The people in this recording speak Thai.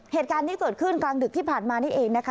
เหตุการณ์นี้เกิดขึ้นกลางดึกที่ผ่านมานี่เองนะคะ